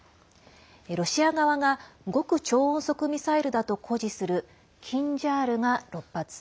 ロシア側が極超音速ミサイルだと誇示する「キンジャール」が６発